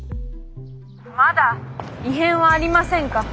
まだ異変はありませんか？